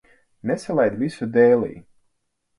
Nesalaid visu dēlī.